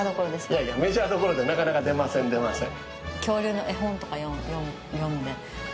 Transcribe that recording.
いやいや、メジャーどころって、なかなか出ません、出ません。